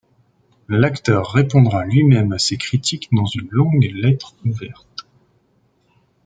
L'acteur répondra lui-même à ces critiques dans une longue lettre ouverte.